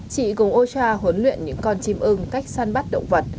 chị cùng oisha huấn luyện những con chim ưng cách săn bắt động vật